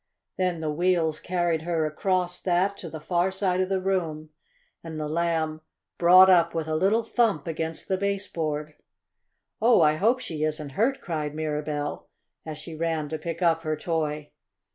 Then the wheels carried her across that to the far side of the room, and the Lamb brought up with a little bump against the baseboard. "Oh, I hope she isn't hurt!" cried Mirabell, as she ran to pick up her toy.